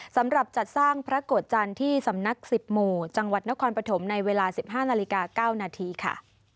สำหรับจัดสร้างพระโกรธจันทร์ที่สำนัก๑๐หมู่จังหวัดนครปฐมในเวลา๑๕นาฬิกา๙นาทีค่ะ